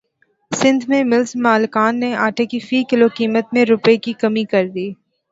سندھ میں ملز مالکان نے اٹے کی فی کلو قیمت میں روپے کی کمی کردی